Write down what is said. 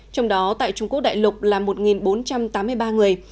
trong đó tại trung quốc đại lục là một bốn trăm tám mươi ba người